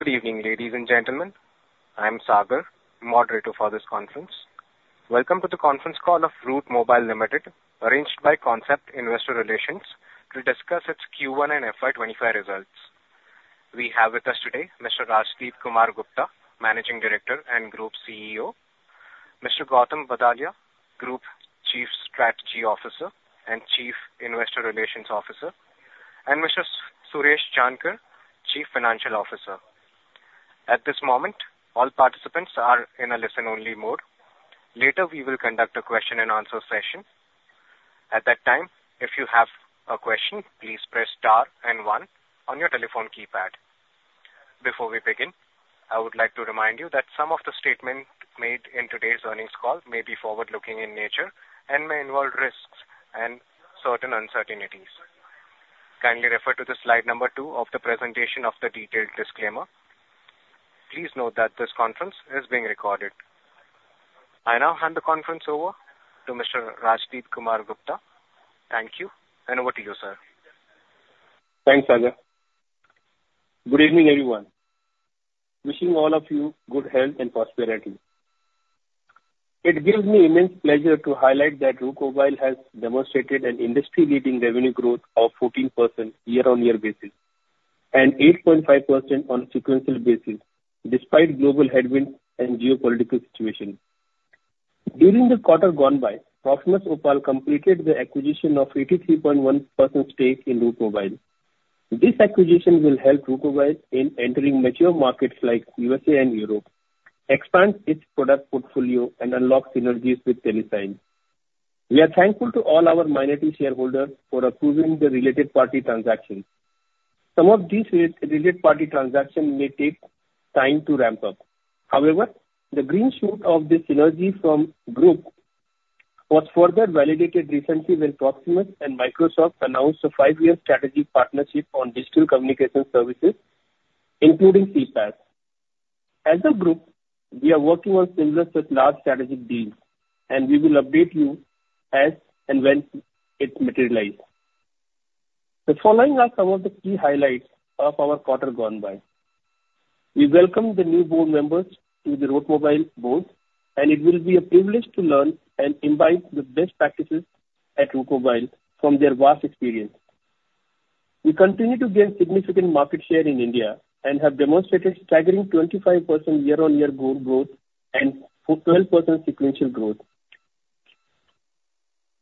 Good evening, ladies and gentlemen. I'm Sagar, moderator for this conference. Welcome to the conference call of Route Mobile Limited, arranged by Concept Investor Relations, to discuss its Q1 and FY25 results. We have with us today Mr. Rajdip, Managing Director and Group CEO, Mr. Gautam Badalia, Group Chief Strategy Officer and Chief Investor Relations Officer, and Mr. Suresh Jankar, Chief Financial Officer. At this moment, all participants are in a listen-only mode. Later, we will conduct a question-and-answer session. At that time, if you have a question, please press star and one on your telephone keypad. Before we begin, I would like to remind you that some of the statements made in today's earnings call may be forward-looking in nature and may involve risks and certain uncertainties. Kindly refer to slide number two of the presentation of the detailed disclaimer. Please note that this conference is being recorded. I now hand the conference over to Mr. Rathindra Das, Gautam Badalia, and over to you, sir. Thanks, Sagar. Good evening, everyone. Wishing all of you good health and prosperity. It gives me immense pleasure to highlight that Route Mobile has demonstrated an industry-leading revenue growth of 14% year-on-year basis and 8.5% on a sequential basis, despite global headwinds and geopolitical situations. During the quarter gone by, Proximus Opal completed the acquisition of an 83.1% stake in Route Mobile. This acquisition will help Route Mobile in entering mature markets like the USA and Europe, expand its product portfolio, and unlock synergies with TeleSign. We are thankful to all our minority shareholders for approving the related party transactions. Some of these related party transactions may take time to ramp up. However, the green shoot of this synergy from the group was further validated recently when Proximus and Microsoft announced a five-year strategic partnership on digital communication services, including CPaaS. As a group, we are working on similar large strategic deals, and we will update you as and when it materializes. The following are some of the key highlights of our quarter gone by. We welcome the new board members to the Route Mobile board, and it will be a privilege to learn and embody the best practices at Route Mobile from their vast experience. We continue to gain significant market share in India and have demonstrated staggering 25% year-on-year growth and 12% sequential growth.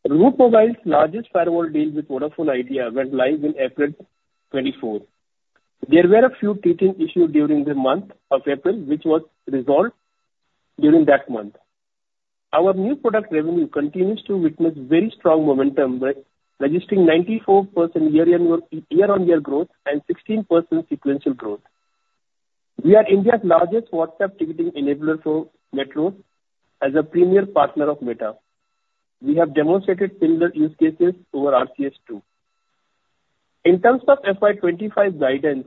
Route Mobile's largest firewall deal with Vodafone Idea was live in April 2024. There were a few teething issues during the month of April, which were resolved during that month. Our new product revenue continues to witness very strong momentum, registering 94% year-on-year growth and 16% sequential growth. We are India's largest WhatsApp ticketing enabler for Metro as a premier partner of Meta. We have demonstrated similar use cases over RCS too. In terms of FY25 guidance,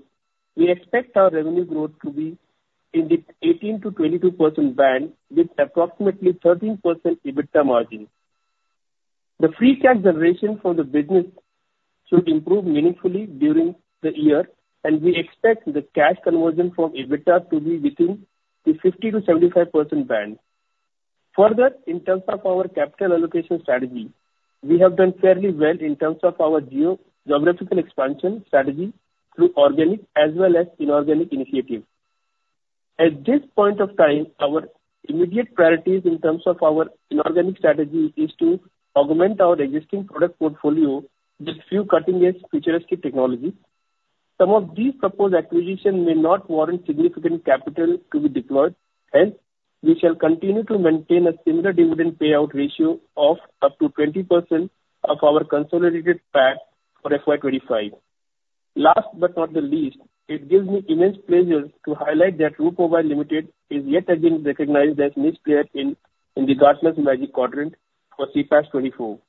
we expect our revenue growth to be in the 18%-22% band with approximately 13% EBITDA margin. The free cash generation for the business should improve meaningfully during the year, and we expect the cash conversion from EBITDA to be within the 50%-75% band. Further, in terms of our capital allocation strategy, we have done fairly well in terms of our geographical expansion strategy through organic as well as inorganic initiatives. At this point of time, our immediate priorities in terms of our inorganic strategy are to augment our existing product portfolio with a few cutting-edge futuristic technologies. Some of these proposed acquisitions may not warrant significant capital to be deployed. Hence, we shall continue to maintain a similar dividend payout ratio of up to 20% of our consolidated PAT for FY25. Last but not the least, it gives me immense pleasure to highlight that Route Mobile Limited is yet again recognized as a niche player in the Gartner Magic Quadrant for CPaaS 2024.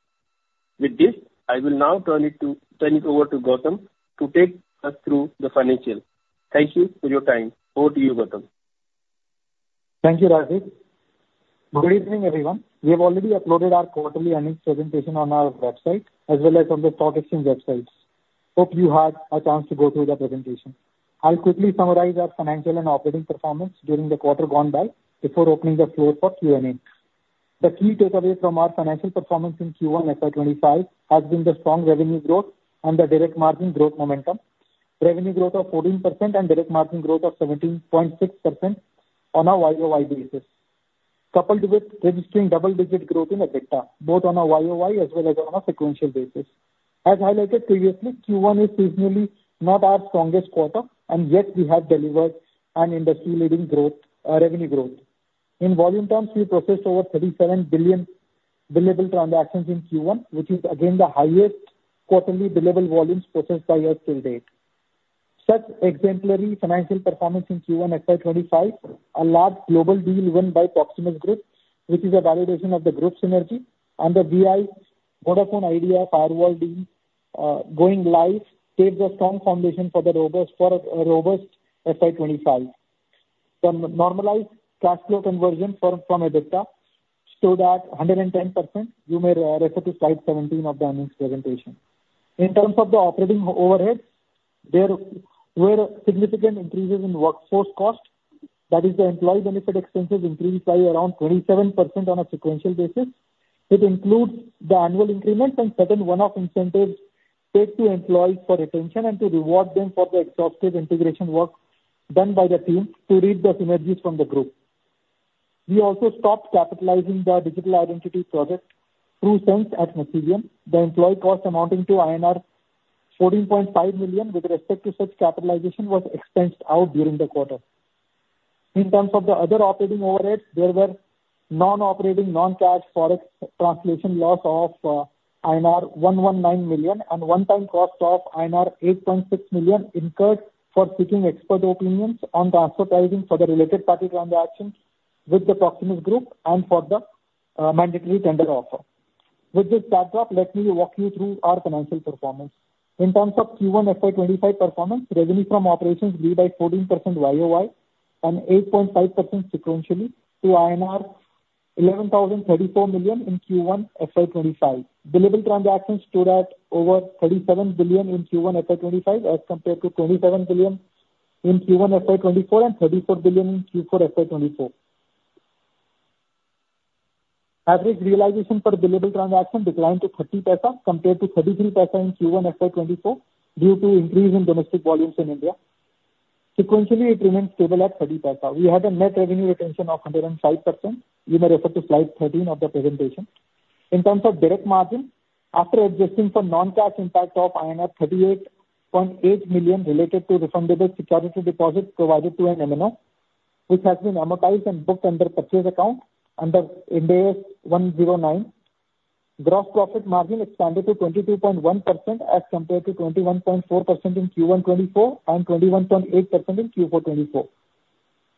With this, I will now turn it over to Gautam to take us through the financials. Thank you for your time. Over to you, Gautam. Thank you, Rathindra. Good evening, everyone. We have already uploaded our quarterly earnings presentation on our website as well as on the stock exchange websites. Hope you had a chance to go through the presentation. I'll quickly summarize our financial and operating performance during the quarter gone by before opening the floor for Q&A. The key takeaway from our financial performance in Q1 and FY25 has been the strong revenue growth and the direct margin growth momentum, revenue growth of 14% and direct margin growth of 17.6% on a YoY basis, coupled with registering double-digit growth in EBITDA, both on a YoY as well as on a sequential basis. As highlighted previously, Q1 is seasonally not our strongest quarter, and yet we have delivered an industry-leading revenue growth. In volume terms, we processed over 37 billion billable transactions in Q1, which is again the highest quarterly billable volumes processed by us till date. Such exemplary financial performance in Q1 and FY25, a large global deal won by Proximus Group, which is a validation of the group synergy, and the Vodafone Idea firewall deal going live paved a strong foundation for a robust FY25. The normalized cash flow conversion from EBITDA stood at 110%. You may refer to slide 17 of the earnings presentation. In terms of the operating overhead, there were significant increases in workforce cost. That is, the employee benefit expenses increased by around 27% on a sequential basis. It includes the annual increments and certain one-off incentives paid to employees for retention and to reward them for the exhaustive integration work done by the team to reap the synergies from the group. We also stopped capitalizing the digital identity project through TruSense at Masivian. The employee cost amounting to INR 14.5 million with respect to such capitalization was expensed out during the quarter. In terms of the other operating overheads, there were non-operating non-cash forex translation loss of INR 119 million and one-time cost of INR 8.6 million incurred for seeking expert opinions on the asset pricing for the related party transactions with the Proximus Group and for the mandatory tender offer. With this backdrop, let me walk you through our financial performance. In terms of Q1 FY25 performance, revenue from operations grew by 14% YoY and 8.5% sequentially to INR 11,034 million in Q1 FY25. Billable transactions stood at over 37 billion in Q1 FY25 as compared to 27 billion in Q1 FY24 and 34 billion in Q4 FY24. Average realization per billable transaction declined to 30% compared to 33% in Q1 FY24 due to increase in domestic volumes in India. Sequentially, it remained stable at 30%. We had a net revenue retention of 105%. You may refer to slide 13 of the presentation. In terms of direct margin, after adjusting for non-cash impact of INR 38.8 million related to refundable security deposits provided to an MNO, which has been amortized and booked under purchase accounting under Ind AS 109, gross profit margin expanded to 22.1% as compared to 21.4% in Q1 2024 and 21.8% in Q4 2024.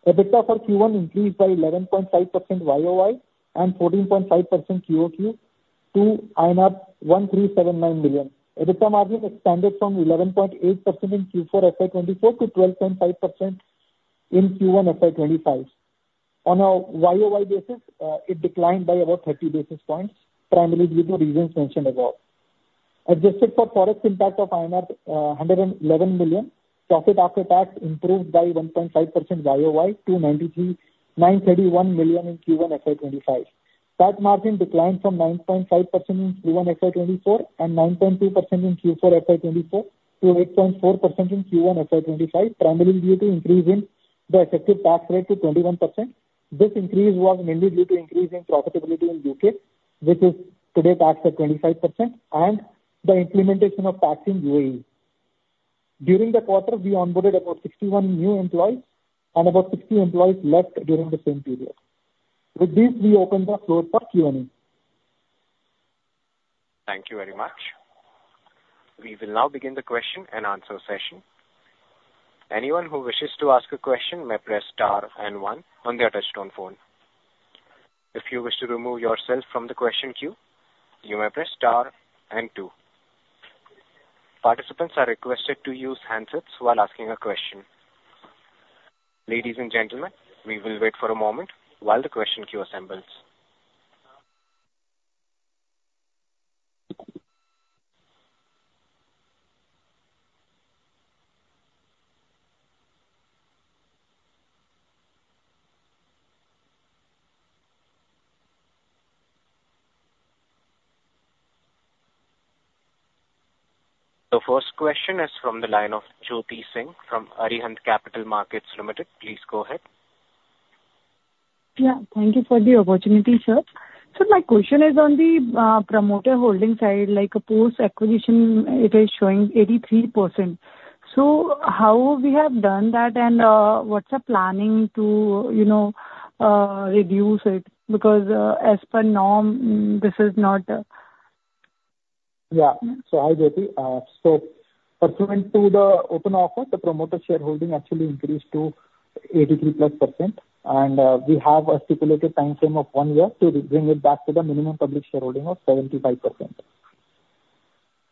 EBITDA for Q1 increased by 11.5% YoY and 14.5% QOQ to 1,379 million. EBITDA margin expanded from 11.8% in Q4 FY24 to 12.5% in Q1 FY25. On a YoY basis, it declined by about 30 basis points, primarily due to reasons mentioned above. Adjusted for forex impact of 111 million, profit after tax improved by 1.5% YoY to 931 million in Q1 FY25. That margin declined from 9.5% in Q1 and FY24 and 9.2% in Q4 and FY24 to 8.4% in Q1 and FY25, primarily due to increase in the effective tax rate to 21%. This increase was mainly due to increase in profitability in the UK, which is today taxed at 25%, and the implementation of tax in the UAE. During the quarter, we onboarded about 61 new employees and about 60 employees left during the same period. With this, we open the floor for Q&A. Thank you very much. We will now begin the question and answer session. Anyone who wishes to ask a question may press star and one on the touch-tone phone. If you wish to remove yourself from the question queue, you may press star and two. Participants are requested to use handsets while asking a question. Ladies and gentlemen, we will wait for a moment while the question queue assembles. The first question is from the line of Jyoti Singh from Arihant Capital Markets Limited. Please go ahead. Yeah, thank you for the opportunity, sir. So my question is on the promoter holding side. Like post-acquisition, it is showing 83%. So how we have done that and what's the planning to reduce it? Because as per norm, this is not. Yeah. Hi, Jyoti. Pursuant to the Open offer, the promoter shareholding actually increased to 83%+, and we have a stipulated time frame of one year to bring it back to the minimum public shareholding of 75%.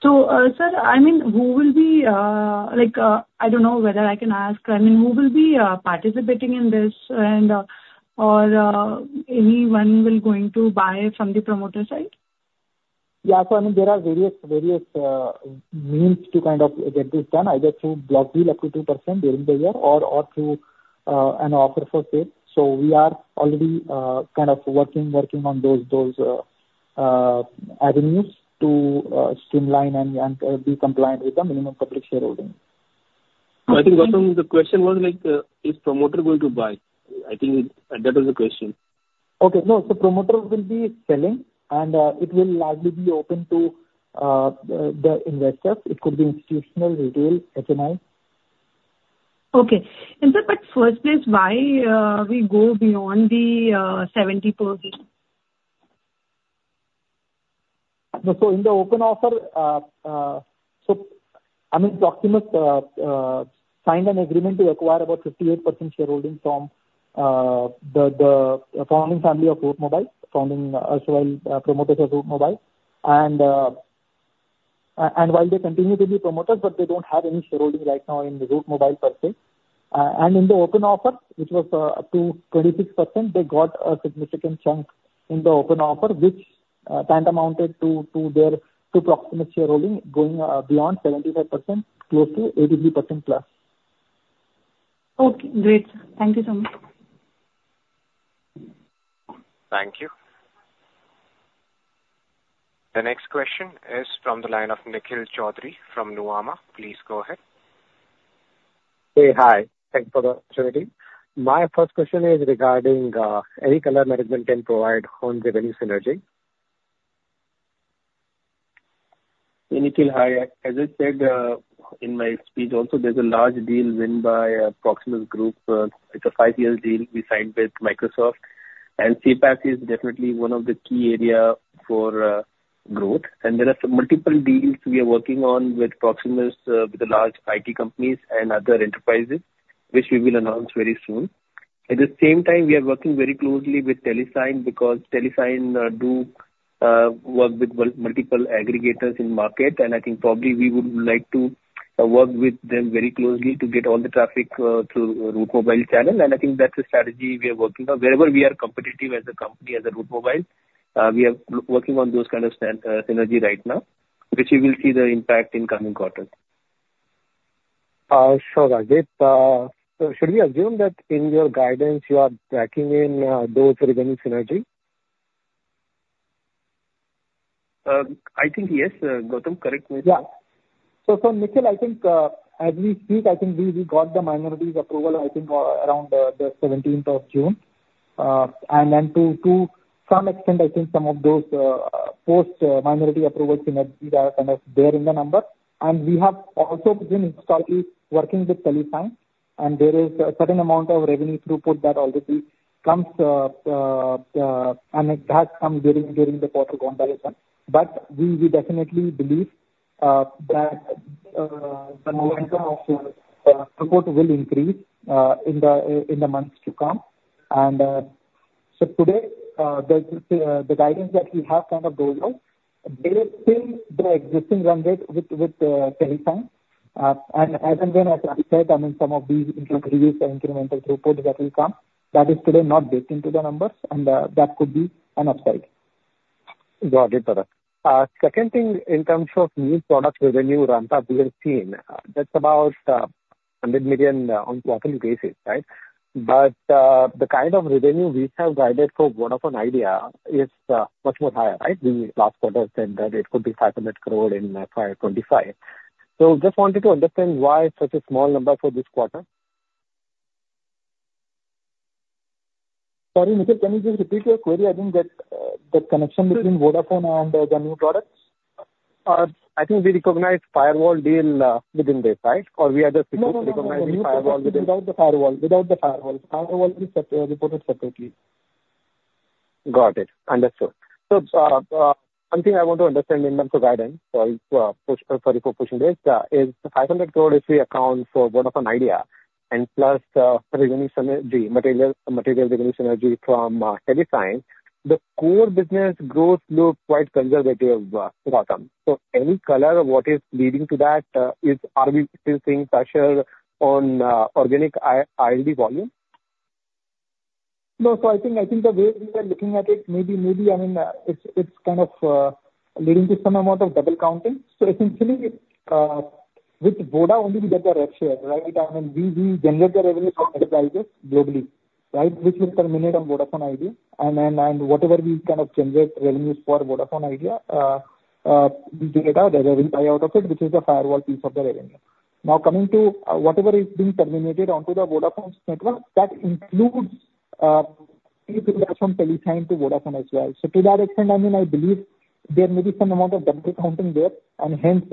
So, sir, I mean, who will be—I don't know whether I can ask—I mean, who will be participating in this? And/or anyone will going to buy from the promoter side? Yeah. So I mean, there are various means to kind of get this done, either through block deal up to 2% during the year or through an offer for sale. So we are already kind of working on those avenues to streamline and be compliant with the minimum public shareholding. I think, Gautam, the question was, is promoter going to buy? I think that was the question. Okay. No, so promoter will be selling, and it will largely be open to the investors. It could be institutional, retail, HNI. Okay. In the first place, why we go beyond the 70%? So in the open offer, so I mean, Proximus signed an agreement to acquire about 58% shareholding from the founding family of Route Mobile, promoters of Route Mobile. And while they continue to be promoters, but they don't have any shareholding right now in Route Mobile per se. And in the open offer, which was up to 26%, they got a significant chunk in the open offer, which tantamounted to their Proximus shareholding going beyond 75%, close to 83%+. Okay. Great. Thank you so much. Thank you. The next question is from the line of Nikhil Choudhury from Nuvama. Please go ahead. Hey, hi. Thanks for the opportunity. My first question is regarding any color management can provide on revenue synergy? Nikhil, hi. As I said in my speech also, there's a large deal won by Proximus Group. It's a five-year deal we signed with Microsoft. CPaaS is definitely one of the key areas for growth. There are multiple deals we are working on with Proximus, with the large IT companies and other enterprises, which we will announce very soon. At the same time, we are working very closely with TeleSign because TeleSign do work with multiple aggregators in market. I think probably we would like to work with them very closely to get all the traffic through Route Mobile channel. That's a strategy we are working on. Wherever we are competitive as a company, as a Route Mobile, we are working on those kind of synergy right now, which we will see the impact in coming quarters. Sure. Should we assume that in your guidance, you are tracking in those revenue synergies? I think yes, Gautam. Correct me. Yeah. So Nikhil, I think as we speak, I think we got the minority approval, I think, around the 17th of June. And then to some extent, I think some of those post-minority approvals are kind of there in the number. And we have also been slightly working with TeleSign. And there is a certain amount of revenue throughput that already comes and has come during the quarter gone by this one. But we definitely believe that the momentum of support will increase in the months to come. And so today, the guidance that we have kind of goes on. They pinned the existing run rate with TeleSign. And as and when as I said, I mean, some of these incremental throughputs that will come, that is today not baked into the numbers, and that could be an upside. Got it, Gautam. Second thing, in terms of new product revenue, Rathindra, we have seen that's about 100 million on quarterly basis, right? But the kind of revenue we have guided for Vodafone Idea is much more higher, right? Last quarter than it could be 500 crore in FY25. So just wanted to understand why such a small number for this quarter. Sorry, Nikhil, can you just repeat your query? I think that the connection between Vodafone and the new products, I think we recognize firewall deal within this, right? Or we are just recognizing firewall within? Without the firewall. Without the firewall. Firewall is reported separately. Got it. Understood. So one thing I want to understand in terms of guidance, sorry for pushing this, is 500 crore if we account for Vodafone Idea and plus the material revenue synergy from TeleSign, the core business growth looked quite conservative, Gautam. So any color of what is leading to that? Are we still seeing pressure on organic ILD volume? No. So I think the way we are looking at it, maybe I mean, it's kind of leading to some amount of double counting. So essentially, with Voda only we get the net share, right? I mean, we generate the revenue from enterprises globally, right? Which is terminated on Vodafone Idea. And whatever we kind of generate revenues for Vodafone Idea, we share it out as a revenue share out of it, which is the firewall piece of the revenue. Now, coming to whatever is being terminated onto the Vodafone network, that includes traffic that is from TeleSign to Vodafone as well. So to that extent, I mean, I believe there may be some amount of double counting there. And hence,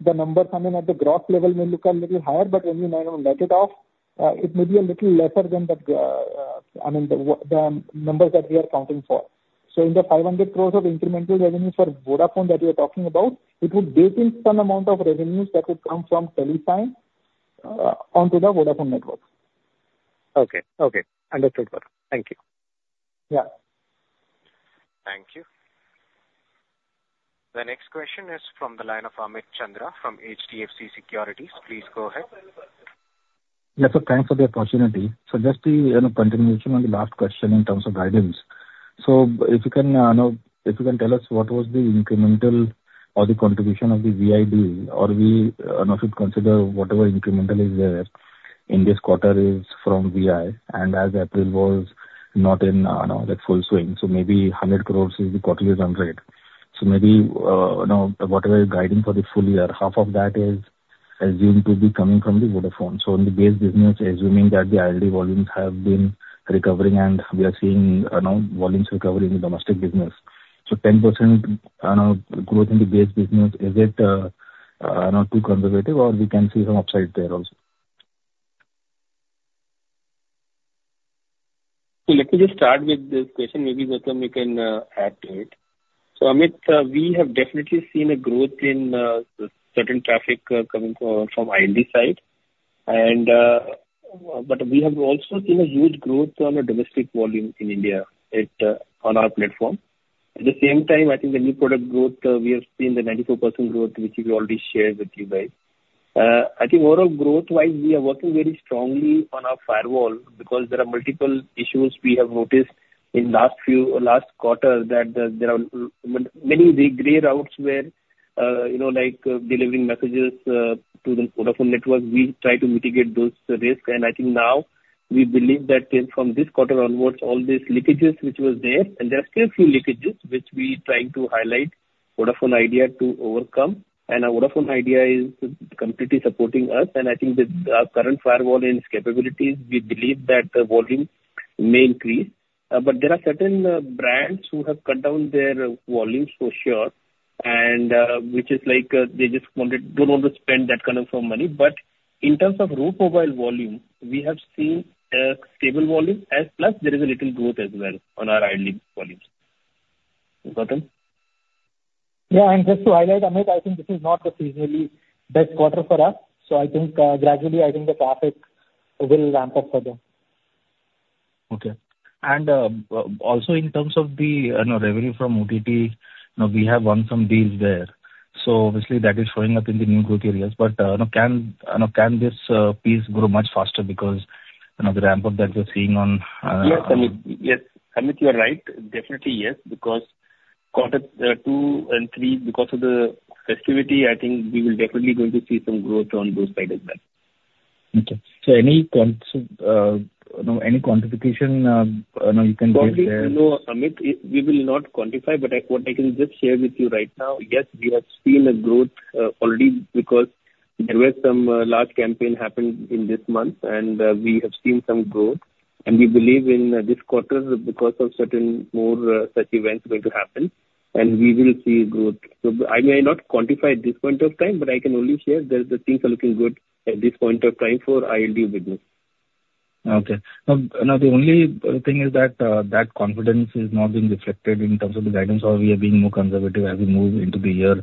the numbers, I mean, at the gross level may look a little higher, but when you net it off, it may be a little lesser than the, I mean, the numbers that we are counting for. So in the 500 crore of incremental revenue for Vodafone that we are talking about, it would be some amount of revenues that would come from TeleSign onto the Vodafone network. Okay. Okay. Understood, Gautam. Thank you. Yeah. Thank you. The next question is from the line of Amit Chandra from HDFC Securities. Please go ahead. Yes, sir. Thanks for the opportunity. Just to continue on the last question in terms of guidance. If you can tell us what was the incremental or the contribution of the VI, or we should consider whatever incremental is there in this quarter is from VI. And as April was not in full swing, maybe 100 crore is the quarterly run rate. Maybe whatever guidance for the full year, half of that is assumed to be coming from the Vodafone. In the base business, assuming that the ILD volumes have been recovering and we are seeing volumes recovering in the domestic business, 10% growth in the base business—is it too conservative or we can see some upside there also? So let me just start with this question. Maybe Gautam, you can add to it. So Amit, we have definitely seen a growth in certain traffic coming from ILD side. But we have also seen a huge growth on the domestic volume in India on our platform. At the same time, I think the new product growth, we have seen the 94% growth, which we already shared with you guys. I think overall growth-wise, we are working very strongly on our firewall because there are multiple issues we have noticed in last quarter that there are many gray routes where like delivering messages to the Vodafone Idea network. We try to mitigate those risks. And I think now we believe that from this quarter onwards, all these leakages which were there, and there are still a few leakages which we are trying to highlight to Vodafone Idea to overcome. Vodafone Idea is completely supporting us. I think with our current firewall and its capabilities, we believe that the volume may increase. But there are certain brands who have cut down their volumes for sure, which is like they just don't want to spend that kind of money. But in terms of Route Mobile volume, we have seen stable volume as well as there is a little growth as well on our ILD volumes. Gautam? Yeah. And just to highlight, Amit, I think this is not the seasonally best quarter for us. So I think gradually, I think the traffic will ramp up further. Okay. Also in terms of the revenue from OTT, we have won some deals there. So obviously, that is showing up in the new growth areas. But can this piece grow much faster because of the ramp-up that we're seeing on? Yes. Amit, you're right. Definitely yes. Because quarter 2 and 3, because of the festivity, I think we will definitely going to see some growth on those sides as well. Okay. So any quantification you can give there? We will not quantify, but what I can just share with you right now, yes, we have seen a growth already because there was some large campaign happened in this month, and we have seen some growth. We believe in this quarter because of certain more such events going to happen, and we will see growth. I may not quantify at this point of time, but I can only share that the things are looking good at this point of time for ILD business. Okay. Now, the only thing is that that confidence is not being reflected in terms of the guidance, or we are being more conservative as we move into the year.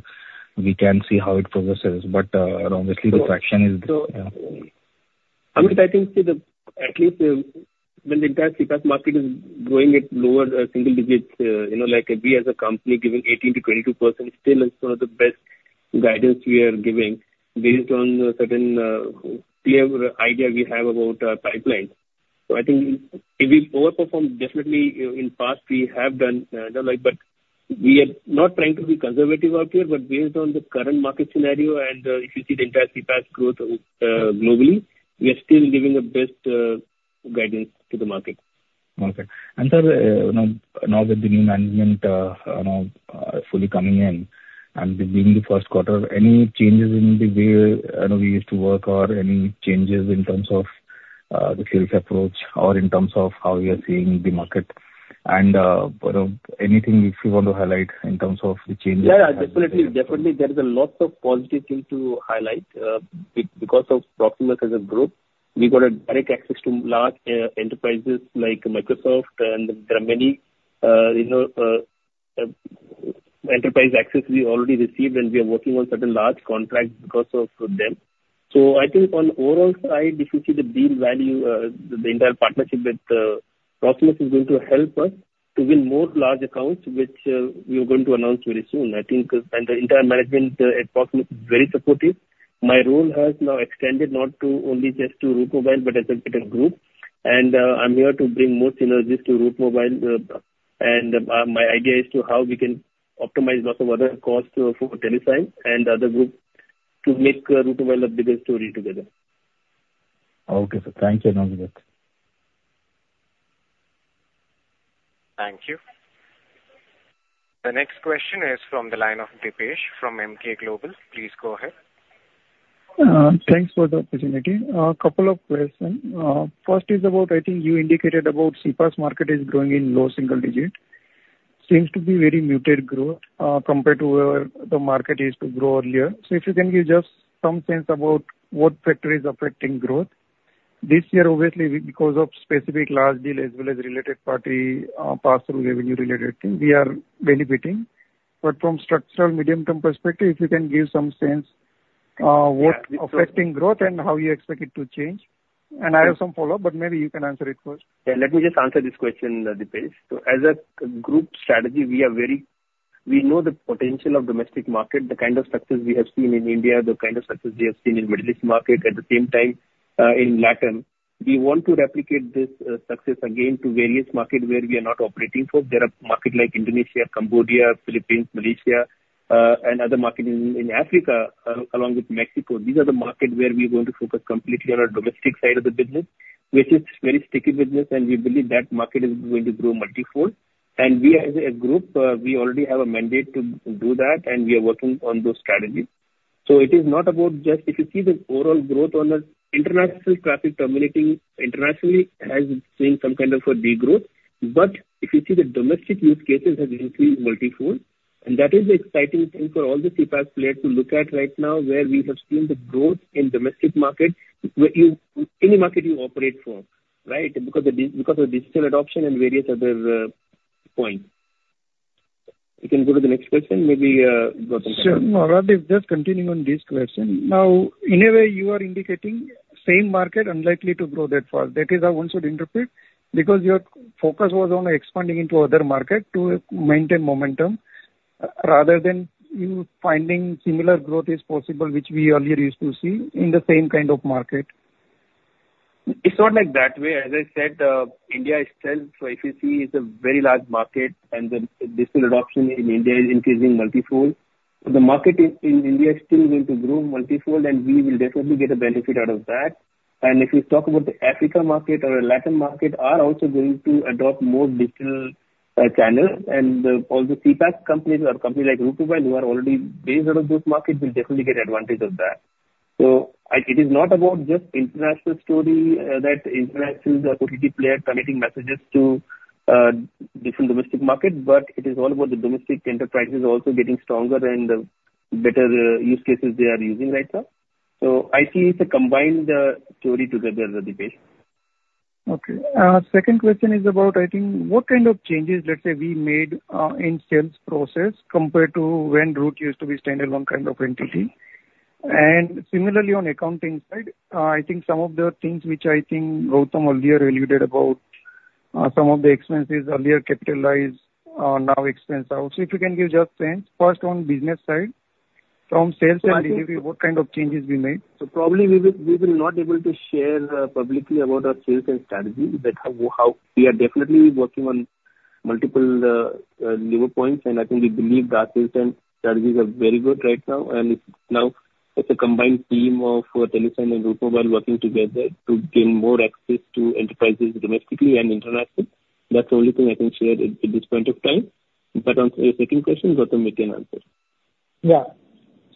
We can see how it progresses. But obviously, the fraction is there. Amit, I think at least when the entire CPaaS market is growing at lower single digits, like we as a company giving 18%-22%, still is one of the best guidance we are giving based on certain clear idea we have about pipelines. So I think if we overperform, definitely in the past, we have done. But we are not trying to be conservative out here, but based on the current market scenario and if you see the entire CPaaS growth globally, we are still giving the best guidance to the market. Okay. Sir, now with the new management fully coming in and beginning the first quarter, any changes in the way we used to work or any changes in terms of the sales approach or in terms of how we are seeing the market? Anything if you want to highlight in terms of the changes? Yeah. Definitely. Definitely. There's a lot of positive things to highlight. Because of Proximus as a group, we got direct access to large enterprises like Microsoft, and there are many enterprise access we already received, and we are working on certain large contracts because of them. So I think on the overall side, if you see the deal value, the entire partnership with Proximus is going to help us to win more large accounts, which we are going to announce very soon. I think the entire management at Proximus is very supportive. My role has now extended not only just to Route Mobile, but as a group. And I'm here to bring more synergies to Route Mobile. And my idea is to how we can optimize lots of other costs for TeleSign and other groups to make Route Mobile a bigger story together. Okay. Thank you. Thank you. The next question is from the line of Dipesh from Emkay Global. Please go ahead. Thanks for the opportunity. A couple of questions. First is about, I think you indicated about CPaaS market is growing in low single digit. Seems to be very muted growth compared to where the market used to grow earlier. So if you can give just some sense about what factor is affecting growth. This year, obviously, because of specific large deal as well as related party pass-through revenue related thing, we are benefiting. But from structural medium-term perspective, if you can give some sense what is affecting growth and how you expect it to change. And I have some follow-up, but maybe you can answer it first. Yeah. Let me just answer this question, Dipesh. So as a group strategy, we are very, we know the potential of domestic market, the kind of success we have seen in India, the kind of success we have seen in Middle East market, at the same time in Latin. We want to replicate this success again to various markets where we are not operating for. There are markets like Indonesia, Cambodia, Philippines, Malaysia, and other markets in Africa along with Mexico. These are the markets where we are going to focus completely on our domestic side of the business, which is very sticky business, and we believe that market is going to grow multifold. And we as a group, we already have a mandate to do that, and we are working on those strategies. So it is not about just if you see the overall growth on the international traffic terminating internationally has seen some kind of a degrowth. But if you see the domestic use cases have increased multifold. And that is the exciting thing for all the CPaaS players to look at right now where we have seen the growth in domestic market, any market you operate for, right? Because of the digital adoption and various other points. You can go to the next question, maybe, Gautam. Sure. No, Rathindra, just continuing on this question. Now, in a way, you are indicating same market unlikely to grow that fast. That is how I want to interpret because your focus was on expanding into other markets to maintain momentum rather than you finding similar growth is possible, which we earlier used to see in the same kind of market. It's not like that way. As I said, India itself, if you see, is a very large market, and the digital adoption in India is increasing multifold. The market in India is still going to grow multifold, and we will definitely get a benefit out of that. And if you talk about the Africa market or Latin market, they are also going to adopt more digital channels. And all the CPaaS companies or companies like Route Mobile, who are already based out of those markets, will definitely get advantage of that. So it is not about just international story that international OTT players are committing messages to different domestic markets, but it is all about the domestic enterprises also getting stronger and the better use cases they are using right now. So I see it's a combined story together, Dipesh. Okay. Second question is about, I think, what kind of changes, let's say, we made in sales process compared to when Route used to be a standalone kind of entity. And similarly, on accounting side, I think some of the things which I think Gautam earlier alluded about, some of the expenses earlier capitalized, now expense out. So if you can give just sense, first on business side, from sales side, what kind of changes we made? Probably we will not be able to share publicly about our sales and strategy, but we are definitely working on multiple level points. I think we believe our sales and strategies are very good right now. Now it's a combined team of TeleSign and Route Mobile working together to gain more access to enterprises domestically and internationally. That's the only thing I can share at this point of time. On the second question, Gautam, you can answer. Yeah.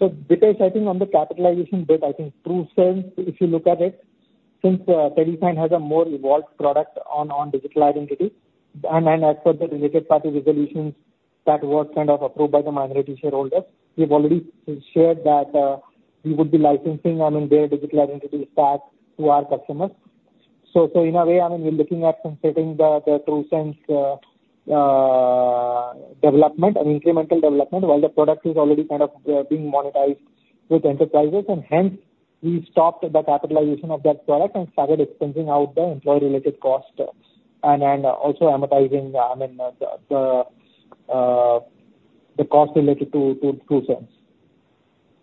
So Dipesh, I think on the capitalization bit, I think TruSense, if you look at it, since TeleSign has a more evolved product on digital identity and has the related party resolutions that were kind of approved by the minority shareholders, we've already shared that we would be licensing, I mean, their digital identity stack to our customers. So in a way, I mean, we're looking at considering the TruSense development and incremental development while the product is already kind of being monetized with enterprises. And hence, we stopped the capitalization of that product and started expensing out the employee-related cost and also amortizing, I mean, the cost related to TruSense.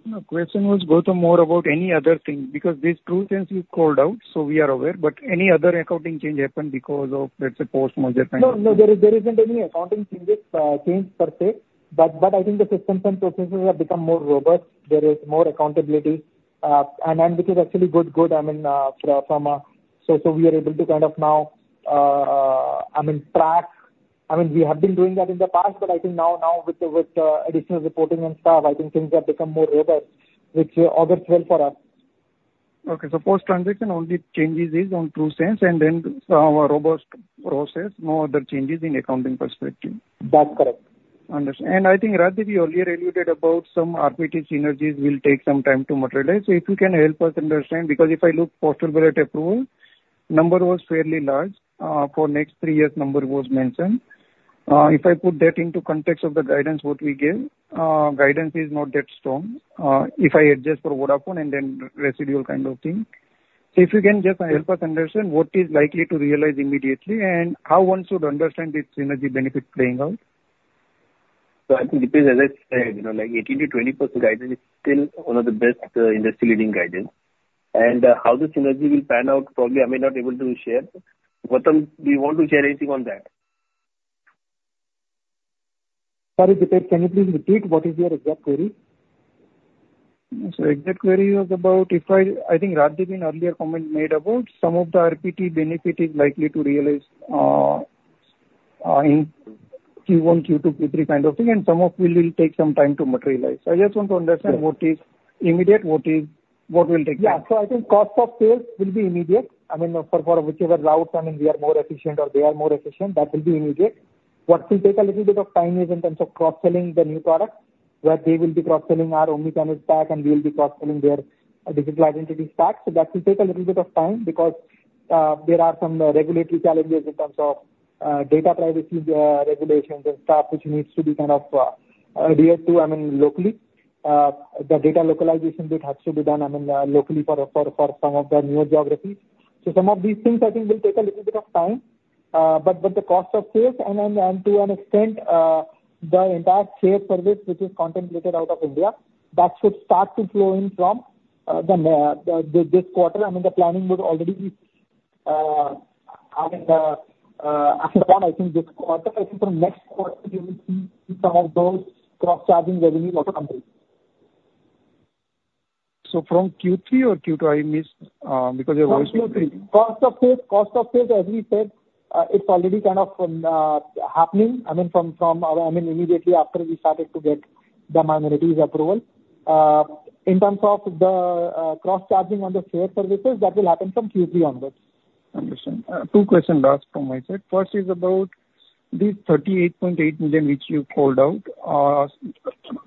The question was, Gautam, more about any other thing because in TruSense you called out, so we are aware, but any other accounting change happened because of, let's say, post-merger kind of? No, no. There isn't any accounting change per se. But I think the systems and processes have become more robust. There is more accountability. And which is actually good, I mean, so we are able to kind of now, I mean, track. I mean, we have been doing that in the past, but I think now with the additional reporting and stuff, I think things have become more robust, which augurs well for us. Okay. So post-transaction only changes is in Trusense and then some of our robust process, no other changes in accounting perspective. That's correct. Understood. And I think, Rathindra, you earlier alluded about some RPT synergies will take some time to materialize. So if you can help us understand, because if I look post-operator approval, number was fairly large. For next three years, number was mentioned. If I put that into context of the guidance, what we gave, guidance is not that strong. If I adjust for Vodafone and then residual kind of thing. So if you can just help us understand what is likely to realize immediately and how one should understand this synergy benefit playing out. I think, Dipesh, as I said, like 18%-20% guidance is still one of the best industry-leading guidance. How the synergy will pan out, probably I may not be able to share. Gautam, do you want to share anything on that? Sorry, Dipesh, can you please repeat what is your exact query? So exact query was about, I think, Rathindra's earlier comment made about some of the RPT benefit is likely to realize in Q1, Q2, Q3 kind of thing, and some of it will take some time to materialize. I just want to understand what is immediate, what will take time. Yeah. So I think cost of sales will be immediate. I mean, for whichever routes, I mean, we are more efficient or they are more efficient, that will be immediate. What will take a little bit of time is in terms of cross-selling the new products, where they will be cross-selling our Omnichannel stack and we will be cross-selling their digital identity stack. So that will take a little bit of time because there are some regulatory challenges in terms of data privacy regulations and stuff, which needs to be kind of adhered to, I mean, locally. The data localization bit has to be done, I mean, locally for some of the newer geographies. So some of these things, I think, will take a little bit of time. But the cost of sales and, to an extent, the entire shared service, which is contemplated out of India, that should start to flow in from this quarter. I mean, the planning would already be, I mean, ahead of time, I think, this quarter. I think from next quarter, you will see some of those cross-charging revenues out of companies. So from Q3 or Q2, I missed because your voice was. Cost of sales. Cost of sales, as we said, it's already kind of happening, I mean, from, I mean, immediately after we started to get the minority's approval. In terms of the cross-charging on the shared services, that will happen from Q3 onwards. Understood. Two questions last from my side. First is about these 38.8 million, which you called out,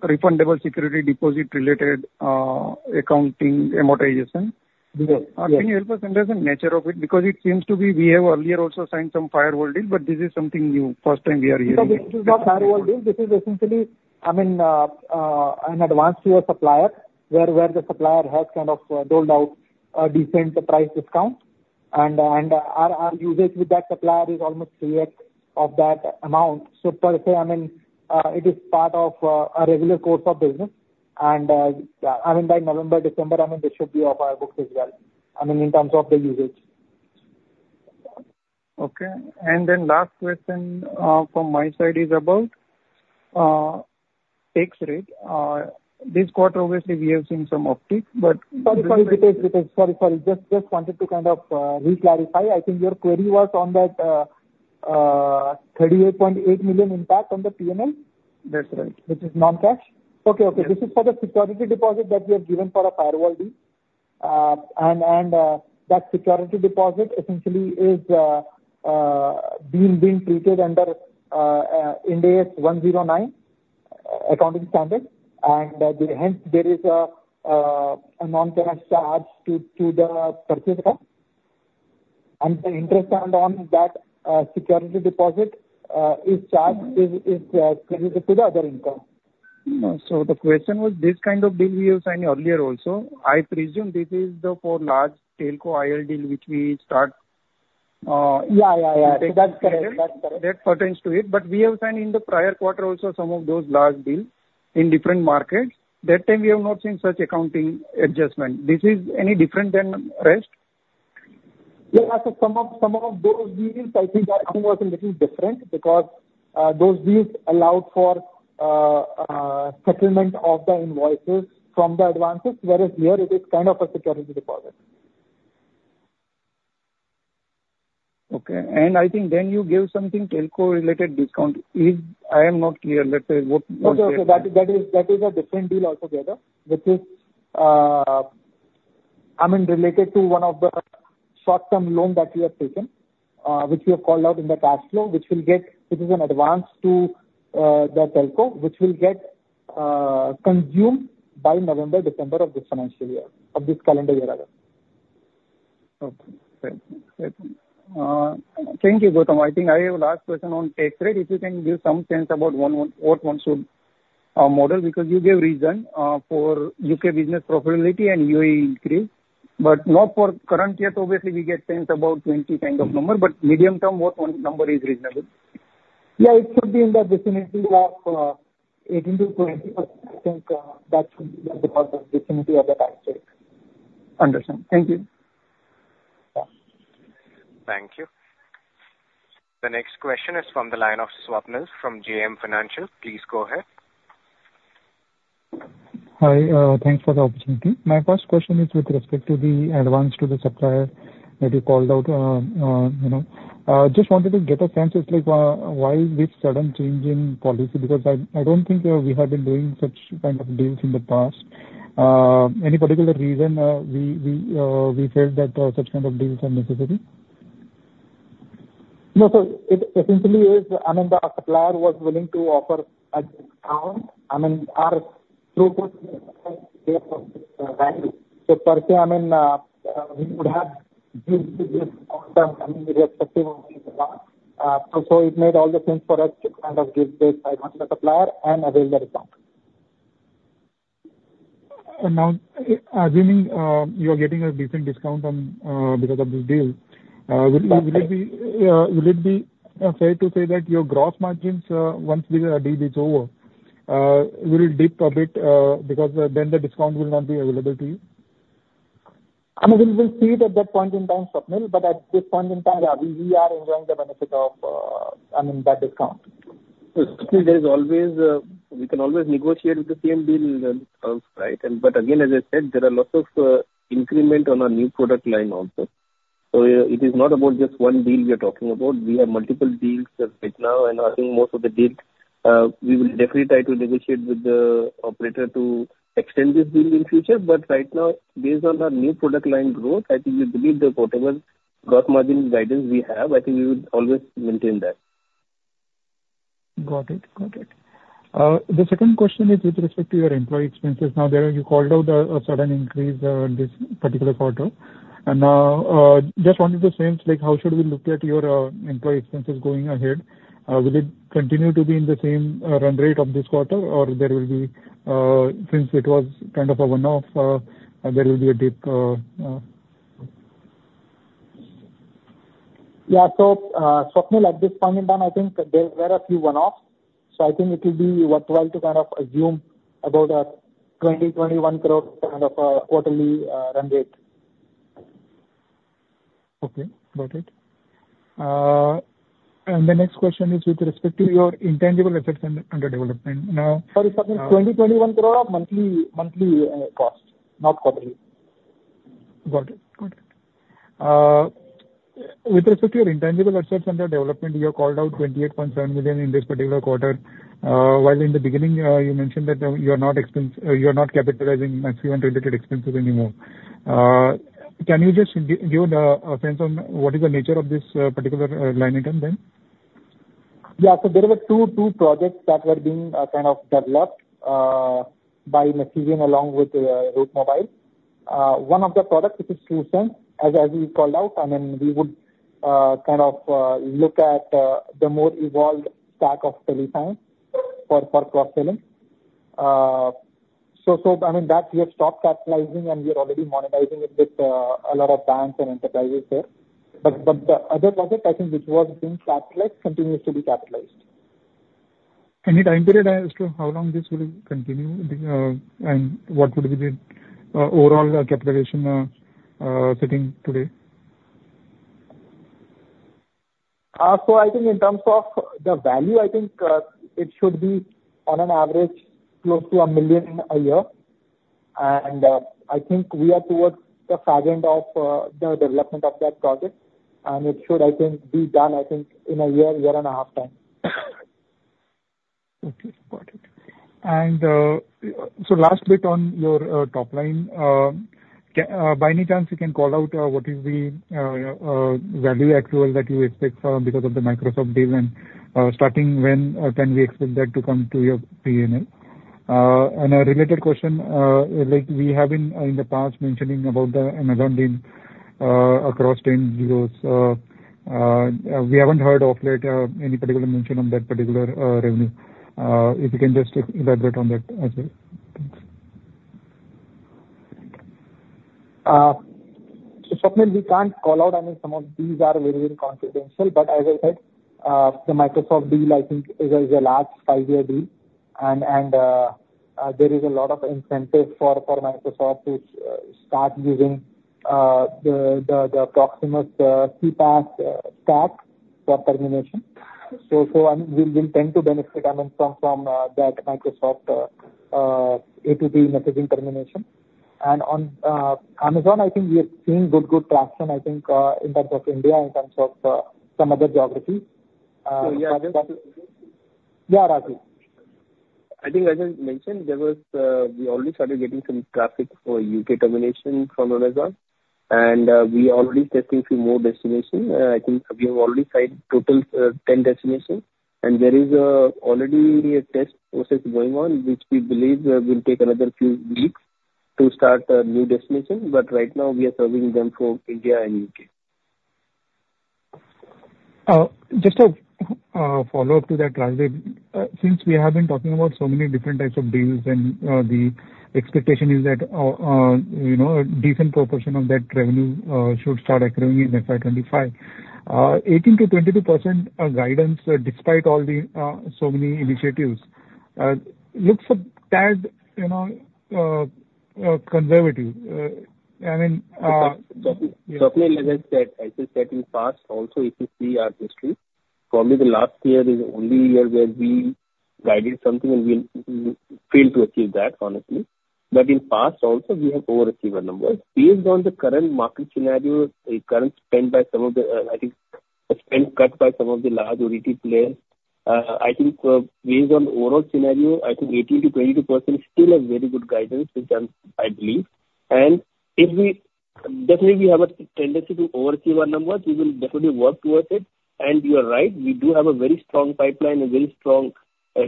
refundable security deposit related accounting amortization. Can you help us understand the nature of it? Because it seems to be we have earlier also signed some firewall deal, but this is something new. First time we are hearing about. So this is not firewall deal. This is essentially, I mean, an advance to a supplier where the supplier has kind of doled out a decent price discount. And our usage with that supplier is almost 3x of that amount. So per se, I mean, it is part of a regular course of business. And I mean, by November, December, I mean, this should be off our books as well, I mean, in terms of the usage. Okay. And then last question from my side is about tax rate. This quarter, obviously, we have seen some uptick, but. Sorry, Dipesh. Dipesh, sorry, sorry. Just wanted to kind of reclarify. I think your query was on that 38.8 million impact on the P&L, which is non-cash. Okay, okay. This is for the security deposit that we have given for a firewall deal. And that security deposit essentially is being treated under Ind AS 109 accounting standard. And hence, there is a non-cash charge to the purchase accounting. And the interest added on that security deposit is charged to the other income. The question was, this kind of deal we have signed earlier also. I presume this is the 4 large Telco IL deal which we start. Yeah, yeah, yeah. That's correct. That's correct. That pertains to it. But we have signed in the prior quarter also some of those large deals in different markets. That time, we have not seen such accounting adjustment. This is any different than rest? Yeah. So some of those deals, I think, are somewhat a little different because those deals allowed for settlement of the invoices from the advances, whereas here, it is kind of a security deposit. Okay. I think then you gave something Telco-related discount. I am not clear. Let's say what was that? No, no. That is a different deal altogether, which is, I mean, related to one of the short-term loans that we have taken, which we have called out in the cash flow, which will get, which is an advance to the Telco, which will get consumed by November, December of this financial year, of this calendar year as well. Okay. Thank you, Gautam. I think I have a last question on tax rate. If you can give some sense about what one should model because you gave reason for U.K. business profitability and UAE increase, but not for current year. So obviously, we get sense about 20 kind of number, but medium-term, what number is reasonable? Yeah. It should be in the vicinity of 18%-20%. I think that should be the definitive of the tax rate. Understood. Thank you. Thank you. The next question is from the line of Swapnil from JM Financial. Please go ahead. Hi. Thanks for the opportunity. My first question is with respect to the advance to the supplier that you called out. Just wanted to get a sense of why this sudden change in policy because I don't think we have been doing such kind of deals in the past. Any particular reason we felt that such kind of deals are necessary? No, so it essentially is, I mean, the supplier was willing to offer a discount. I mean, our throughput gave us value. So per se, I mean, we would have used this with respect to what we got. So it made all the sense for us to kind of give this advance to the supplier and avail the discount. Now, assuming you are getting a decent discount because of this deal, would it be fair to say that your gross margins, once the deal is over, will dip a bit because then the discount will not be available to you? I mean, we'll see it at that point in time, Swapnil, but at this point in time, yeah, we are enjoying the benefit of, I mean, that discount. See, there is always we can always negotiate with the same deal terms, right? But again, as I said, there are lots of increment on our new product line also. So it is not about just one deal we are talking about. We have multiple deals right now, and I think most of the deals, we will definitely try to negotiate with the operator to extend this deal in future. But right now, based on our new product line growth, I think we believe the whatever gross margin guidance we have, I think we would always maintain that. Got it. Got it. The second question is with respect to your employee expenses. Now, you called out a sudden increase this particular quarter. And just wanted to sense, how should we look at your employee expenses going ahead? Will it continue to be in the same run rate of this quarter, or there will be, since it was kind of a one-off, there will be a dip? Yeah. So Swapnil, at this point in time, I think there were a few one-offs. So I think it will be worthwhile to kind of assume about a 20 crore-21 crore kind of quarterly run rate. Okay. Got it. The next question is with respect to your intangible assets under development. Now. Sorry, Swapnil's, 20-21 crore of monthly cost, not quarterly. Got it. Got it. With respect to your intangible assets under development, you have called out 28.7 million in this particular quarter, while in the beginning, you mentioned that you are not capitalizing Masivian-related expenses anymore. Can you just give a sense on what is the nature of this particular line item then? Yeah. So there were two projects that were being kind of developed by Masivian along with Route Mobile. One of the products, which is TruSense, as you called out, I mean, we would kind of look at the more evolved stack of TeleSign for cross-selling. So I mean, that we have stopped capitalizing, and we are already monetizing it with a lot of banks and enterprises there. But the other project, I think, which was being capitalized, continues to be capitalized. Any time period as to how long this will continue and what would be the overall capitalization setting today? So I think in terms of the value, I think it should be on an average close to 1 million a year. And I think we are towards the far end of the development of that project. And it should, I think, be done, I think, in a year, year and a half time. Okay. Got it. And so last bit on your top line, by any chance, you can call out what is the value actual that you expect because of the Microsoft deal? And starting when can we expect that to come to your P&L? And a related question, we have been in the past mentioning about the Amazon deal across 10 years. We haven't heard of any particular mention of that particular revenue. If you can just elaborate on that as well. Swapnil, we can't call out any. Some of these are very, very confidential. But as I said, the Microsoft deal, I think, is a large five-year deal. And there is a lot of incentive for Microsoft to start using the Proximus CPaaS stack for termination. So I mean, we'll tend to benefit, I mean, from that Microsoft A to B messaging termination. And on Amazon, I think we are seeing good, good traction, I think, in terms of India, in terms of some other geographies. So yeah, that's. Yeah, Rathin? I think, as I mentioned, we already started getting some traffic for UK termination from Amazon. And we are already testing a few more destinations. I think we have already signed total 10 destinations. And there is already a test process going on, which we believe will take another few weeks to start a new destination. But right now, we are serving them for India and UK. Just a follow-up to that, Rathindra. Since we have been talking about so many different types of deals, and the expectation is that a decent proportion of that revenue should start accruing in FY25, 18%-22% guidance, despite all the so many initiatives, looks a tad conservative. I mean. Swapnil, as I said, I think past also, if you see our history, probably the last year is the only year where we guided something, and we failed to achieve that, honestly. But in past also, we have overachieved a number. Based on the current market scenario, the current spend by some of the, I think, the spend cut by some of the large OTT players, I think, based on the overall scenario, I think 18%-22% is still a very good guidance, which I believe. And if we definitely have a tendency to overachieve our numbers, we will definitely work towards it. And you are right. We do have a very strong pipeline and very strong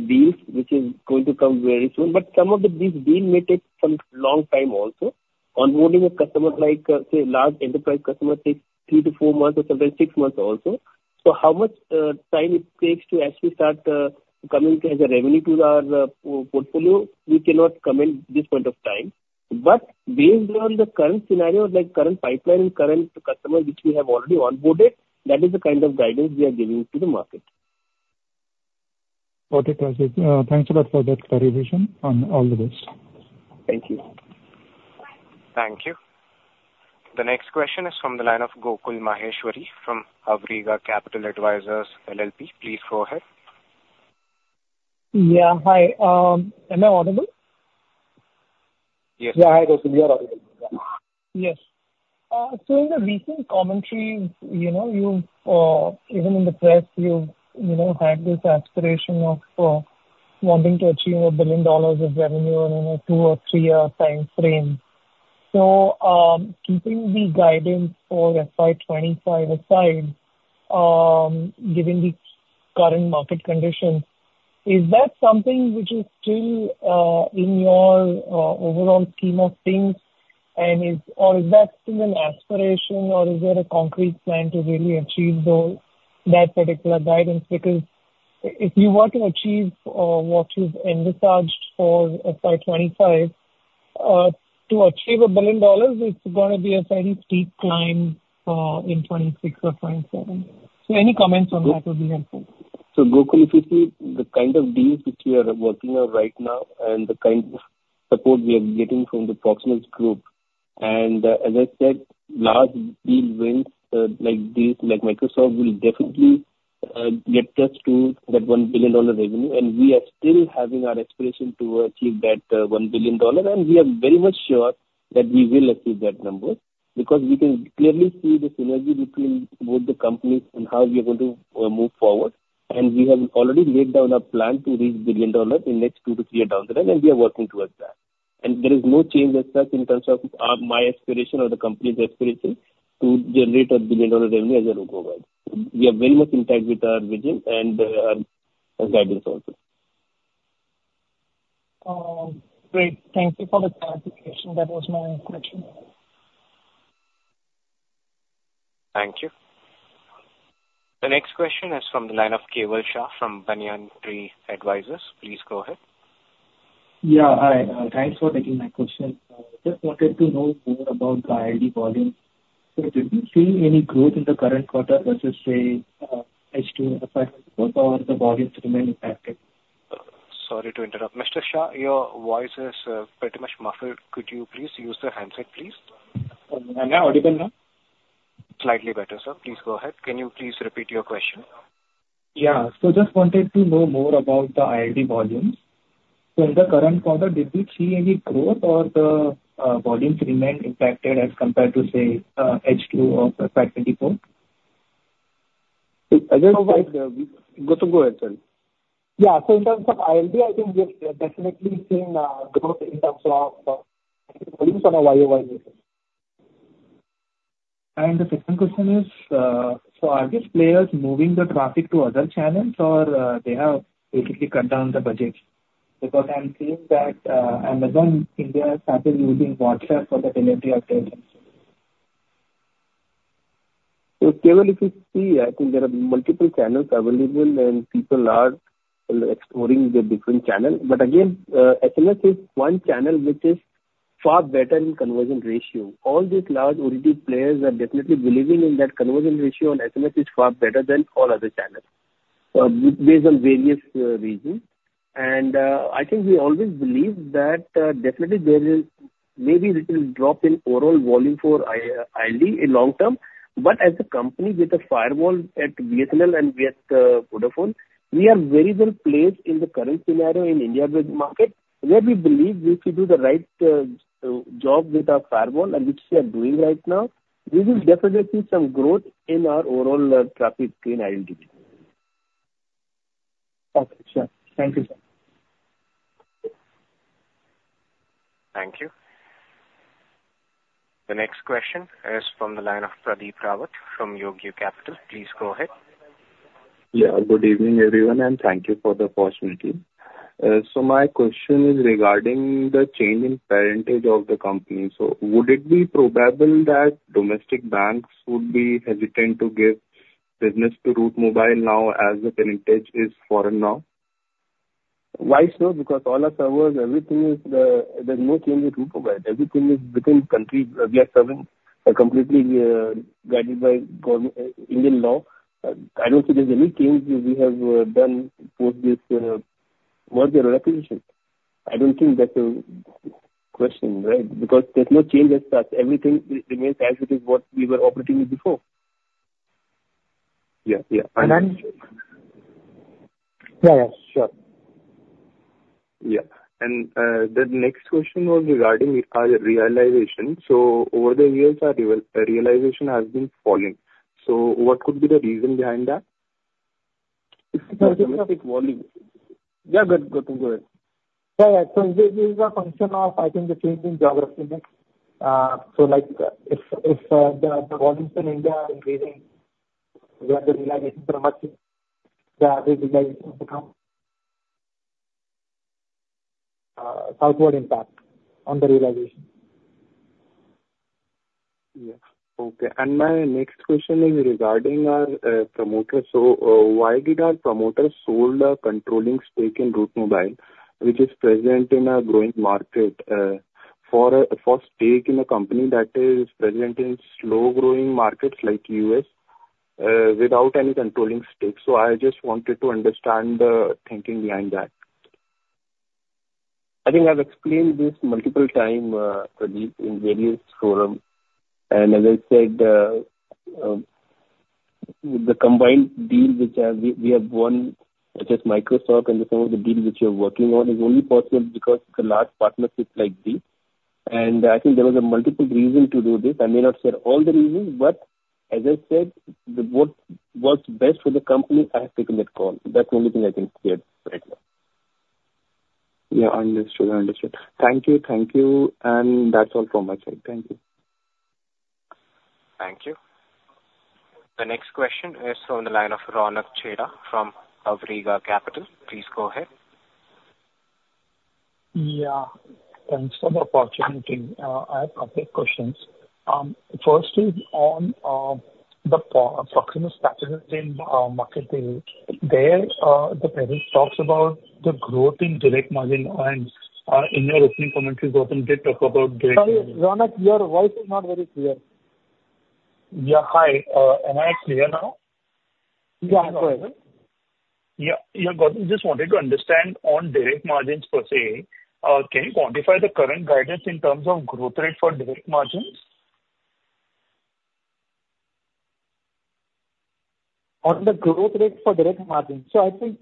deals, which is going to come very soon. But some of these deals may take some long time also. Onboarding a customer like, say, large enterprise customers takes 3-4 months or sometimes 6 months also. So how much time it takes to actually start coming as a revenue to our portfolio, we cannot comment at this point of time. But based on the current scenario, like current pipeline and current customers, which we have already onboarded, that is the kind of guidance we are giving to the market. Got it, Rathindra. Thanks a lot for that clarification on all of this. Thank you. Thank you. The next question is from the line of Gokul Maheshwari from Awriga Capital Advisors LLP. Please go ahead. Yeah. Hi. Am I audible? Yes. Yeah. Hi, Rathindra. We are audible. Yeah. Yes. So in the recent commentaries, even in the press, you had this aspiration of wanting to achieve $1 billion of revenue in a 2- or 3-year time frame. So keeping the guidance for FY25 aside, given the current market conditions, is that something which is still in your overall scheme of things? Or is that still an aspiration, or is there a concrete plan to really achieve that particular guidance? Because if you were to achieve what you've envisaged for FY25, to achieve $1 billion, it's going to be a fairly steep climb in 2026 or 2027. So any comments on that would be helpful. So Gokul, if you see the kind of deals which we are working on right now and the kind of support we are getting from the Proximus Group, and as I said, large deal wins like this, like Microsoft will definitely get us to that $1 billion revenue. And we are still having our aspiration to achieve that $1 billion. And we are very much sure that we will achieve that number because we can clearly see the synergy between both the companies and how we are going to move forward. And we have already laid down a plan to reach $1 billion in the next two to three years down the line, and we are working towards that. And there is no change as such in terms of my aspiration or the company's aspiration to generate $1 billion revenue as a look ahead. We are very much in touch with our vision and our guidance also. Great. Thank you for the clarification. That was my question. Thank you. The next question is from the line of Keval Shah from Banyan Tree Advisors. Please go ahead. Yeah. Hi. Thanks for taking my question. Just wanted to know more about the IRD volumes. So did you see any growth in the current quarter versus, say, H2 and FY2024, or the volumes remain impacted? Sorry to interrupt. Mr. Shah, your voice is pretty much muffled. Could you please use the handset, please? Am I audible now? Slightly better, sir. Please go ahead. Can you please repeat your question? Yeah. Just wanted to know more about the IRD volumes. In the current quarter, did you see any growth, or the volumes remain impacted as compared to, say, H2 or FY24? As I said. Go ahead. Yeah. So in terms of IRD, I think we have definitely seen growth in terms of volumes on a YoY basis. The second question is, so are these players moving the traffic to other channels, or they have basically cut down the budget? Because I'm seeing that Amazon India is started using WhatsApp for the delivery of data. So Keval, if you see, I think there are multiple channels available, and people are exploring the different channels. But again, SMS is one channel which is far better in conversion ratio. All these large OTT players are definitely believing in that conversion ratio on SMS is far better than all other channels based on various reasons. And I think we always believe that definitely there may be a little drop in overall volume for IRD in long term. But as a company with a firewall at Vi and Vodafone, we are in a very good place in the current scenario in the Indian market, where we believe if we do the right job with our firewall, and which we are doing right now, we will definitely see some growth in our overall traffic in IRD. Okay. Sure. Thank you, sir. Thank you. The next question is from the line of Pradeep Rawat from Yogya Capital. Please go ahead. Yeah. Good evening, everyone, and thank you for the opportunity. So my question is regarding the change in percentage of the company. So would it be probable that domestic banks would be hesitant to give business to Route Mobile now as the percentage is foreign now? Why so? Because all our servers, everything is there. There's no change in Route Mobile. Everything is within the country. We are serving completely guided by Indian law. I don't think there's any change we have done post this merger or acquisition. I don't think that's a question, right? Because there's no change as such. Everything remains as it is what we were operating before. Yeah. Yeah. And then. Yeah. Yeah. Sure. Yeah. And the next question was regarding our realization. So over the years, our realization has been falling. So what could be the reason behind that? It's the domestic volume. Yeah. Gokul, go ahead. Yeah. Yeah. So this is a function of, I think, the change in geography. So if the volumes in India are increasing, will the realization so much the realization become southward impact on the realization? Yes. Okay. And my next question is regarding our promoters. So why did our promoters hold a controlling stake in Route Mobile, which is present in a growing market for stake in a company that is present in slow-growing markets like the U.S. without any controlling stake? So I just wanted to understand the thinking behind that. I think I've explained this multiple times, Pradeep, in various forums. As I said, the combined deal which we have won, such as Microsoft and some of the deals which we are working on, is only possible because of the large partnerships like these. I think there was a multiple reason to do this. I may not share all the reasons, but as I said, what works best for the company, I have taken that call. That's the only thing I can share right now. Yeah. Understood. Understood. Thank you. Thank you. That's all from my side. Thank you. Thank you. The next question is from the line of Raunak Chedda from Abakkus Asset Manager. Please go ahead. Yeah. Thanks for the opportunity. I have a couple of questions. First is on the Proximus Capital Market Day. There, the president talks about the growth in direct margin. And in your opening commentaries, Rathindra, you did talk about direct margin. Sorry, Raunak, your voice is not very clear. Yeah. Hi. Am I clear now? Yeah. Go ahead. Yeah. Yeah. Gokul, I just wanted to understand on direct margins per se, can you quantify the current guidance in terms of growth rate for direct margins? On the growth rate for direct margins, so I think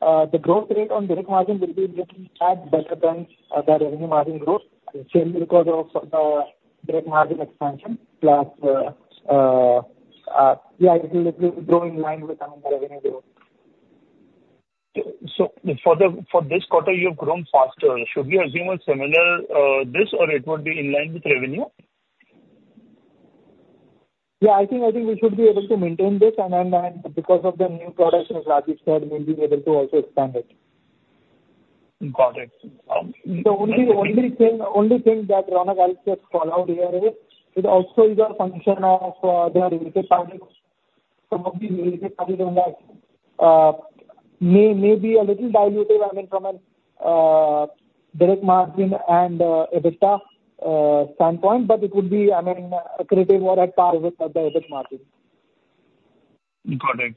the growth rate on direct margins will be looking at better than the revenue margin growth, certainly because of the direct margin expansion. Plus, yeah, it will grow in line with the revenue growth. So for this quarter, you have grown faster. Should we assume a similar this, or it would be in line with revenue? Yeah. I think we should be able to maintain this. Because of the new products, as Rathindra said, we'll be able to also expand it. Got it. The only thing that Raunak, I'll just call out here is it also is a function of the related parties. Some of these related parties may be a little diluted, I mean, from a direct margin and EBITDA standpoint, but it would be, I mean, accretive or at par with the EBIT margin. Got it.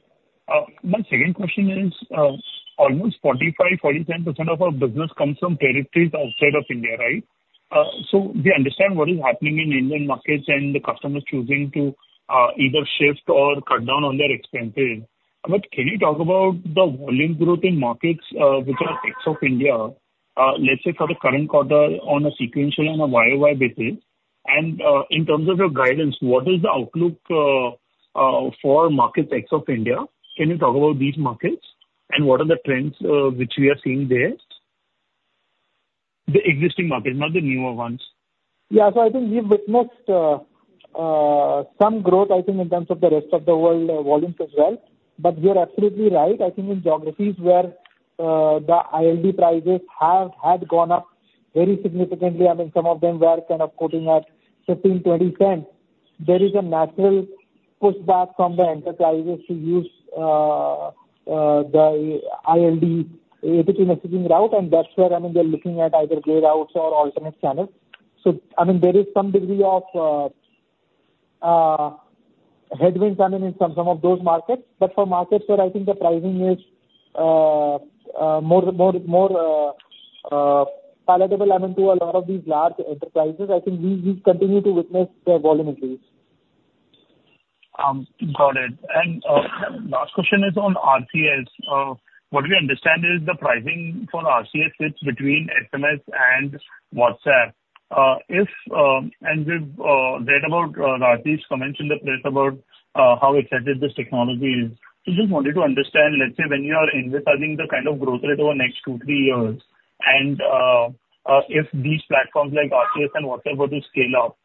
My second question is, almost 45%-47% of our business comes from territories outside of India, right? So we understand what is happening in Indian markets and the customers choosing to either shift or cut down on their expenses. But can you talk about the volume growth in markets which are ex-India, let's say for the current quarter on a sequential and a YoY basis? And in terms of your guidance, what is the outlook for markets ex-India? Can you talk about these markets? And what are the trends which we are seeing there? The existing markets, not the newer ones. Yeah. So I think we've witnessed some growth, I think, in terms of the rest of the world volumes as well. But you're absolutely right. I think in geographies where the ILD prices have gone up very significantly, I mean, some of them were kind of quoting at $0.15, $0.20, there is a natural pushback from the enterprises to use the ILD, EBITDA route. And that's where, I mean, they're looking at either grey routes or alternate channels. So, I mean, there is some degree of headwinds, I mean, in some of those markets. But for markets where I think the pricing is more palatable, I mean, to a lot of these large enterprises, I think we continue to witness the volume increase. Got it. And last question is on RCS. What we understand is the pricing for RCS sits between SMS and WhatsApp. And we've read about Rathindra's comments in the press about how excited this technology is. So just wanted to understand, let's say when you are envisaging the kind of growth rate over the next two, three years, and if these platforms like RCS and WhatsApp were to scale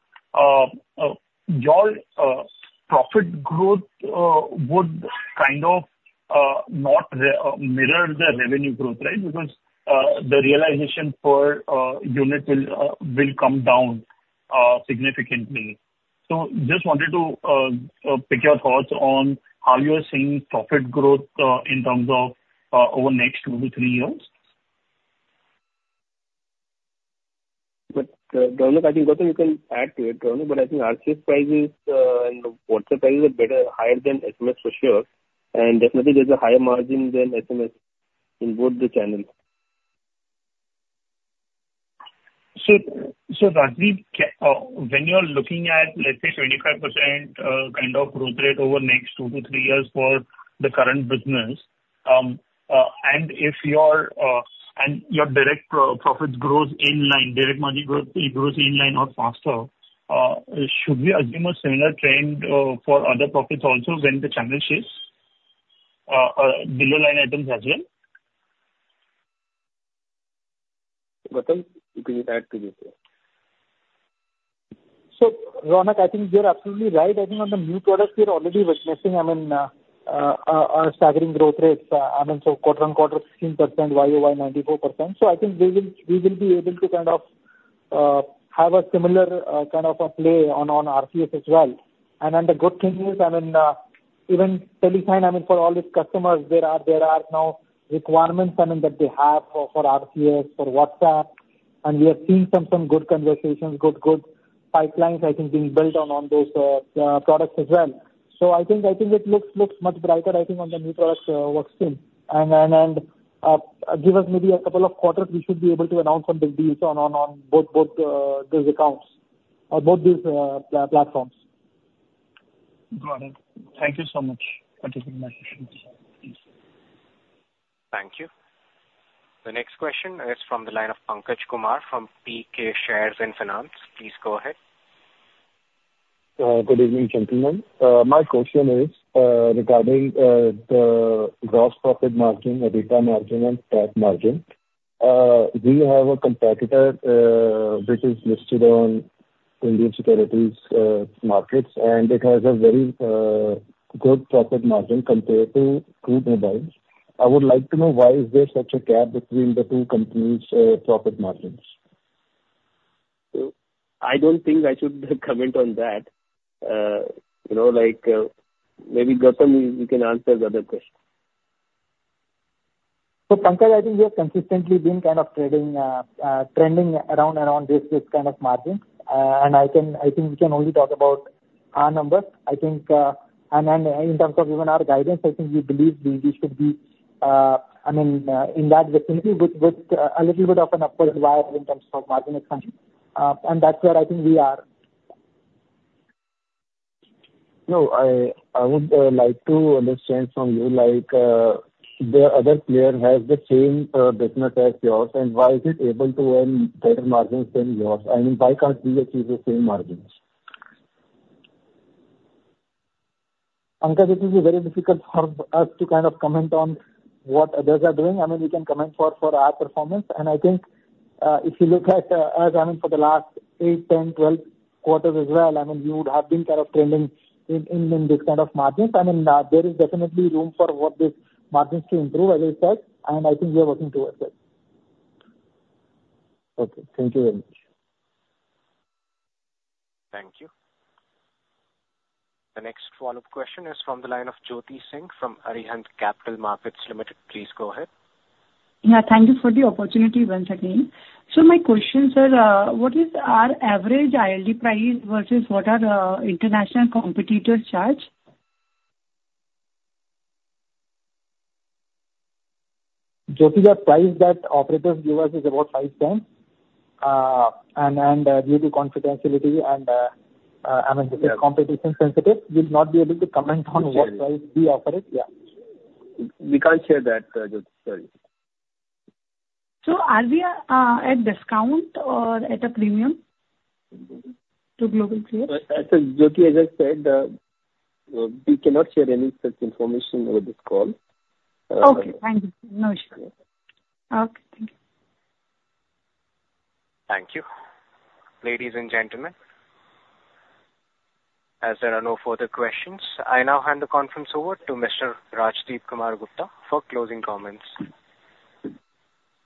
up, your profit growth would kind of not mirror the revenue growth, right? Because the realization per unit will come down significantly. So just wanted to pick your thoughts on how you are seeing profit growth in terms of over the next two to three years. But Raunak, I think Gokul, you can add to it, Raunak. But I think RCS prices and WhatsApp prices are better, higher than SMS for sure. And definitely, there's a higher margin than SMS in both the channels. Rathindra, when you're looking at, let's say, 25% kind of growth rate over the next two to three years for the current business, and if your direct profits grow in line, direct margin growth in line or faster, should we assume a similar trend for other profits also when the channel shifts or below-line items as well? Gokul, you can add to this here. So Raunak, I think you're absolutely right. I think on the new products, we're already witnessing, I mean, staggering growth rates. I mean, so quarter-on-quarter, 16%, YoY 94%. So I think we will be able to kind of have a similar kind of a play on RCS as well. And the good thing is, I mean, even TeleSign, I mean, for all these customers, there are now requirements, I mean, that they have for RCS, for WhatsApp. And we have seen some good conversations, good pipelines, I think, being built on those products as well. So I think it looks much brighter, I think, on the new products' work stream. And give us maybe a couple of quarters, we should be able to announce some big deals on both those accounts or both these platforms. Got it. Thank you so much for taking my questions. Thank you. The next question is from the line of Pankaj Kumar from PK Shares & Securities. Please go ahead. Good evening, gentlemen. My question is regarding the gross profit margin, EBITDA margin, and CapEx margin. We have a competitor which is listed on Indian securities markets, and it has a very good profit margin compared to Route Mobile. I would like to know why is there such a gap between the two companies' profit margins? I don't think I should comment on that. Maybe Gokul, you can answer the other question. So, Pankaj, I think we have consistently been kind of trending around this kind of margin. I think we can only talk about our numbers. I think, in terms of even our guidance, I think we believe we should be, I mean, in that vicinity with a little bit of an upward bias in terms of margin expansion. That's where I think we are. No, I would like to understand from you like the other player has the same business as yours, and why is it able to earn better margins than yours? I mean, why can't we achieve the same margins? Pankaj, this will be very difficult for us to kind of comment on what others are doing. I mean, we can comment for our performance. I think if you look at us, I mean, for the last eight, 10, 12 quarters as well, I mean, we would have been kind of trending in this kind of margins. I mean, there is definitely room for what these margins to improve, as I said. I think we are working towards it. Okay. Thank you very much. Thank you. The next follow-up question is from the line of Jyoti Singh from Arihant Capital Markets Limited. Please go ahead. Yeah. Thank you for the opportunity once again. So my question, sir, what is our average IRD price versus what are international competitors' charge? Jyoti, the price that operators give us is about $0.05. And due to confidentiality and, I mean, this is competition-sensitive, we'll not be able to comment on what price we offer it. Yeah. We can't share that. Jyoti, sorry. Are we at discount or at a premium to Global peers? As Jyoti has said, we cannot share any such information over this call. Okay. Thank you. No issue. Okay. Thank you. Thank you. Ladies and gentlemen, as there are no further questions, I now hand the conference over to Mr. Rajdip Kumar Gupta for closing comments.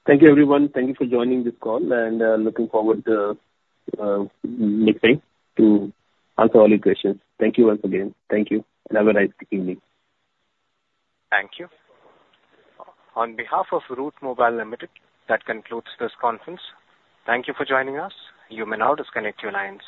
Thank you, everyone. Thank you for joining this call, and looking forward to answering all your questions. Thank you once again. Thank you. Have a nice evening. Thank you. On behalf of Route Mobile Limited, that concludes this conference. Thank you for joining us. You may now disconnect your lines.